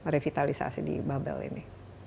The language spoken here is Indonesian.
revitalisasi di babel ini